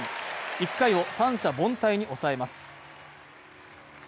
１回を三者凡退に抑えます。